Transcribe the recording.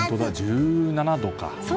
１７度か。